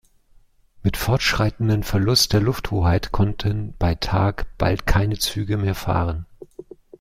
Mit fortschreitendem Verlust der Lufthoheit konnten bei Tag bald keine Züge mehr fahren.